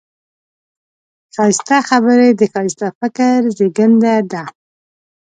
ښایسته خبرې د ښایسته فکر زېږنده ده